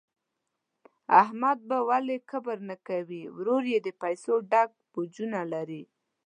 احمد به ولي کبر نه کوي، ورور یې د پیسو ډک بوجونه لري.